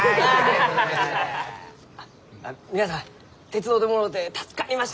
皆さん手伝うてもろうて助かりました！